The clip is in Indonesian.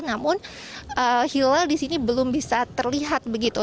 namun hilal di sini belum bisa terlihat begitu